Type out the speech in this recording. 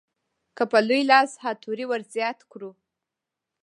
که په لوی لاس ها توری ورزیات کړو.